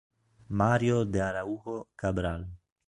Mário de Araújo Cabral